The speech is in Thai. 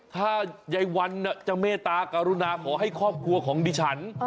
ถ้ายายวันจะเมตตากรุณาขอให้ครอบครัวของดิฉัน